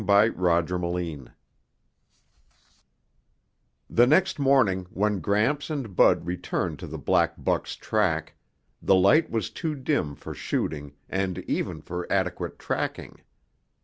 chapter 12 The next morning, when Gramps and Bud returned to the black buck's track, the light was too dim for shooting and even for adequate tracking.